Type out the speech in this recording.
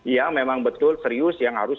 yang memang betul serius yang harus